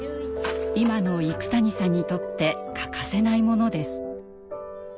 今の幾谷さんにとって欠かせないものです。